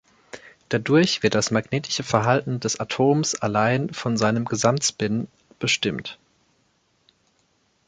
Dadurch wird das magnetische Verhalten des Atoms allein von seinem Gesamt-Spin bestimmt.